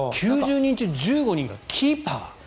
９０人中１５人がキーパー。